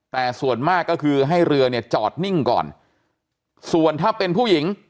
แต่ส่วนมากก็คือให้เรือเนี่ยจอดนิ่งก่อนส่วนถ้าเป็นผู้หญิง